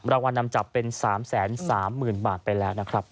รางวัลนำจับเป็น๓๓๐๐๐บาทไปแล้วนะครับ